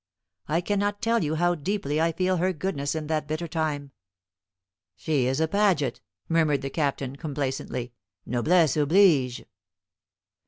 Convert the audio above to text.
I cannot tell you how deeply I feel her goodness in that bitter time." "She is a Paget," murmured the Captain, complacently. "_Noblesse oblige.